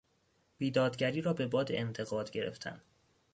بیدادگری را به باد انتقاد گرفتن